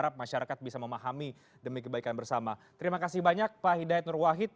pak hidayat nur wahid